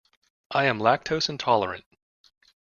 I am lactose intolerant.